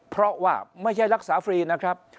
เพราะว่าไม่ใช่รักษาฟรีนะครับ